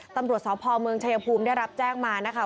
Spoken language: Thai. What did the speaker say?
ตำรวจสพเมืองชายภูมิได้รับแจ้งมานะคะ